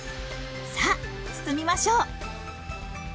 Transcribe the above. さあ包みましょう！